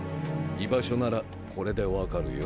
居場所ならこれで分かるよ。